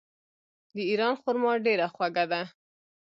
د ایران خرما ډیره خوږه ده.